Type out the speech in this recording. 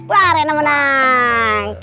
wah rena menang